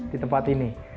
di tempat ini